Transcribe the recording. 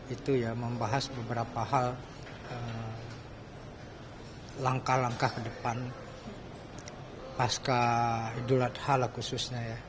itu ya membahas beberapa hal langkah langkah ke depan pasca idul adha khususnya ya